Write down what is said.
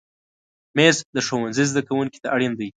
مېز د ښوونځي زده کوونکي ته اړین دی.